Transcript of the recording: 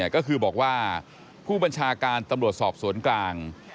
ก็คือบอกว่าผู้บัญชาการตำรวจสอบสวนกลาง